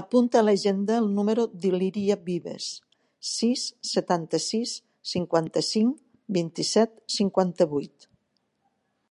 Apunta a l'agenda el número de l'Iria Vives: sis, setanta-sis, cinquanta-cinc, vint-i-set, cinquanta-vuit.